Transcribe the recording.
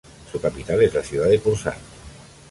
Su capital es la Ciudad de Pursat.